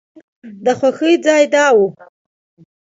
د خوښۍ ځای دا و.